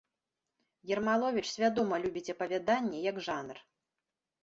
Ермаловіч свядома любіць апавяданне як жанр.